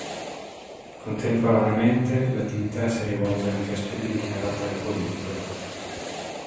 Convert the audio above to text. Contemporaneamente l'attività si rivolge anche a studi di carattere politico.